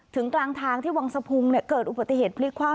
กลางทางที่วังสะพุงเกิดอุบัติเหตุพลิกความ